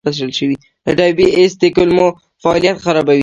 د ډایبی ایس د کولمو فعالیت خرابوي.